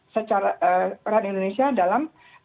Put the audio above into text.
secara peran indonesia dalam